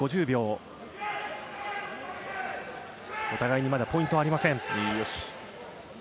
お互いにポイントはありません。